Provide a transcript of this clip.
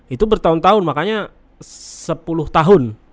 itu bertahun tahun makanya sepuluh tahun